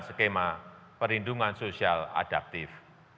skema perlindungan sosial adaptif